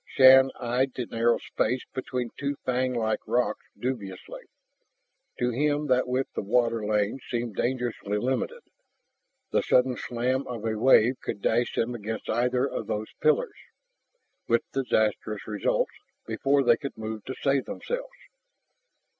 Shann eyed the narrow space between two fanglike rocks dubiously. To him that width of water lane seemed dangerously limited, the sudden slam of a wave could dash them against either of those pillars, with disastrous results, before they could move to save themselves.